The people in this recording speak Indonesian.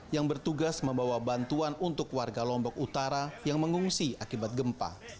yang bertugas membawa bantuan untuk warga lombok utara yang mengungsi akibat gempa